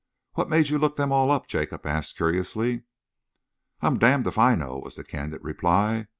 "What made you look them all up?" Jacob asked curiously. "I'm damned if I know," was the candid reply.